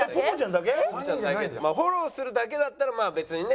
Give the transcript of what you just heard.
フォローするだけだったらまあ別にね